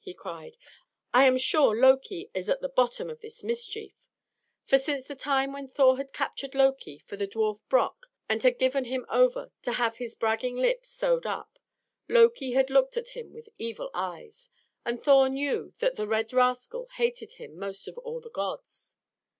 he cried. "I am sure Loki is at the bottom of this mischief!" For since the time when Thor had captured Loki for the dwarf Brock and had given him over to have his bragging lips sewed up, Loki had looked at him with evil eyes; and Thor knew that the red rascal hated him most of all the gods.